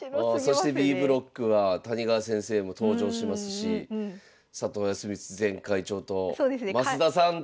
そしてＢブロックは谷川先生も登場しますし佐藤康光前会長と増田さんと！